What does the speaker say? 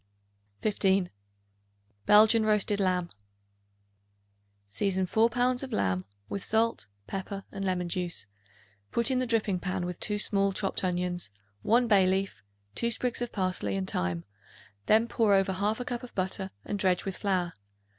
15. Belgian Roast Lamb. Season 4 pounds of lamb with salt, pepper and lemon juice; put in the dripping pan with 2 small chopped onions, 1 bay leaf, 2 sprigs of parsley and thyme; then pour over 1/2 cup of butter and dredge with flour.